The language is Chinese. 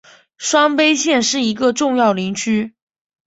双牌县是一个重要林区。